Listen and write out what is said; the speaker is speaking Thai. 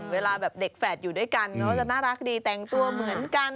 เวลาแบบเด็กแฝดอยู่ด้วยกันเขาจะน่ารักดีแต่งตัวเหมือนกัน